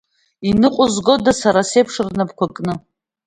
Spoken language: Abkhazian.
Иныҟәызгода, сара сеиԥш, рнапқәа кны?